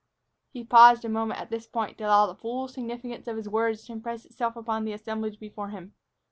He paused a moment at this point to allow the full significance of his words to impress itself upon the assemblage before him.